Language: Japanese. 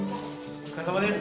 お疲れさまです